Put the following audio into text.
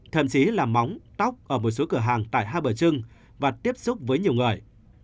thậm chí là móng tóc ở một số cửa hàng tại hai bờ trưng và tiếp xúc với nhiều người